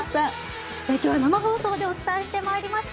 今日は生放送でお伝えしてまいりました。